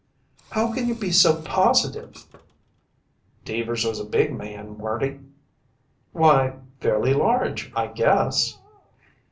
"How can you be so positive?" "Deevers was a big man, weren't he?" "Why, fairly large, I guess."